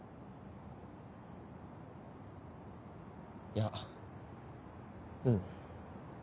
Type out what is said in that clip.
いやうん。